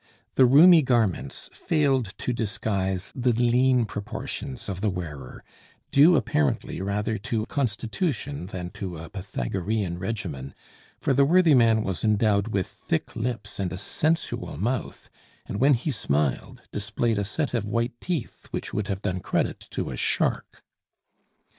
The roomy garments failed to disguise the lean proportions of the wearer, due apparently rather to constitution than to a Pythagorean regimen, for the worthy man was endowed with thick lips and a sensual mouth; and when he smiled, displayed a set of white teeth which would have done credit to a shark.